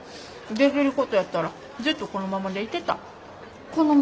できることやったらずっとこのままでいてたい。